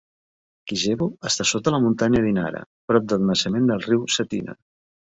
Kijevo està sota la muntanya Dinara, prop del naixement del riu Cetina.